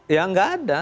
ya enggak ada